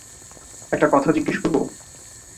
একটা কথা জিজ্ঞাসা করব?